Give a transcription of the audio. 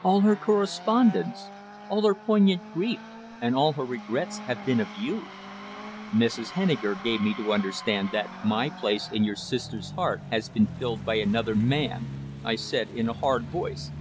All her correspondence, all her poignant grief, and all her regrets have been of you." "Mrs. Henniker gave me to understand that my place in your sister's heart has been filled by another man," I said, in a hard voice.